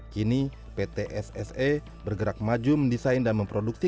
kini pt sse bergerak maju mendesain dan memproduksi